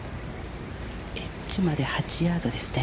エッジまで８ヤードですね。